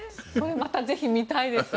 また、ぜひ見たいです。